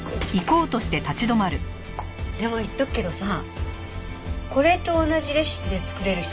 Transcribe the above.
でも言っとくけどさこれと同じレシピで作れる人がもう一人いるのよ。